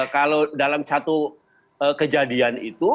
kalau dalam satu kejadian itu